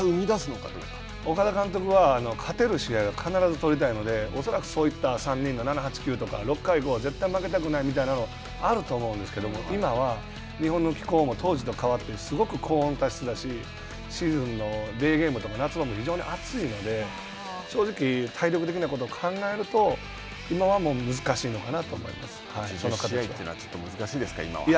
ああいう勝利の方程式をまた生み岡田監督は、勝てる試合は必ず取りたいので、恐らくそういった３人の７、８、９とか６回以降は絶対負けたくないというのがあると思うんですけども今は日本の気候も当時と変わってすごく高温多湿だし、シーズンのデーゲームとか夏場も非常に暑いので、正直、体力的なことを考えると今はもう難しいのかなと思います。